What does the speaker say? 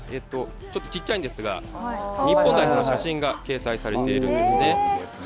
ちょっとちっちゃいんですが、日本代表の写真が掲載されているんですね。